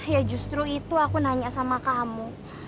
ya justru itu aku nanya sama kamu